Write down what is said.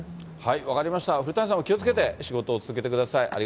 分かりました、古谷さんも気をつけて仕事を続けてください。